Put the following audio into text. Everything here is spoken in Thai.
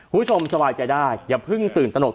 ผู้ชมสวายใจได้อย่าพึ่งตื่นตนก